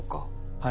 はい。